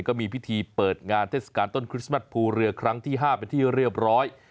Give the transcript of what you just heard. ก็มีพิธีเปิดงานเทศกาลต้นคริสต์มัสภูเรือครั้งที่๕เป็นที่เรียบร้อย